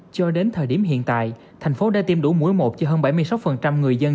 cho đến thời điểm hiện tại thành phố đã tiêm đủ mũi một cho hơn bảy mươi sáu người dân